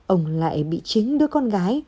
ông lại bị chính đứa con gái